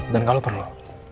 dan kalau perlu